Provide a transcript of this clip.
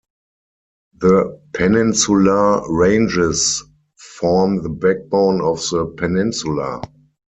The Peninsular Ranges form the backbone of the peninsula.